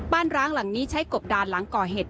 ร้างหลังนี้ใช้กบดานหลังก่อเหตุ